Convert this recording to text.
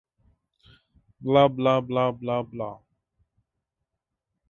Converted by Asbury, the previously devout Anglican family became members of the Methodist Church.